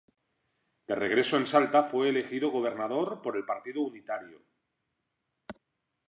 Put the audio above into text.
De regreso en Salta fue elegido gobernador por el partido unitario.